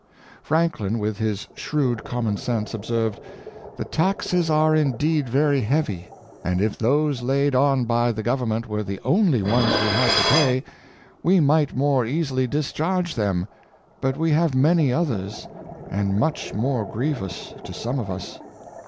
Franklin, with his shrewd common sense, observed: ''The taxes are indeed very heavy; and if those laid on by the Government were the only ones we had to pay, we might more easily discharge them; but we have many others, and much more grievous to some of us.